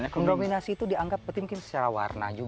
mendominasi itu dianggap penting mungkin secara warna juga